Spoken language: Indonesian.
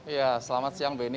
ya selamat siang benny